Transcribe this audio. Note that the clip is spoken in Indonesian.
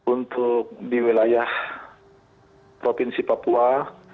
untuk di wilayah provinsi papua